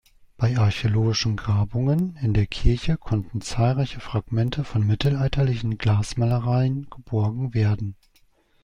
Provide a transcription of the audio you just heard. Bei archäologischen Grabungen in der Kirche konnten zahlreiche Fragmente von mittelalterlichen Glasmalereien geborgen werden.